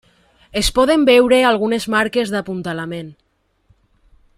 Es poden veure algunes marques d'apuntalament.